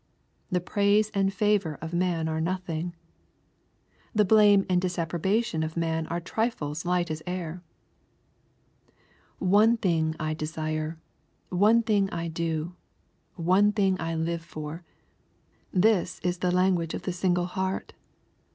The praise and favor of man are nothing. The blame and disapprobation of man are trifles light as air. " One thing I desire, — one thing I do, — one thing I live for :" this is the language of the single heart.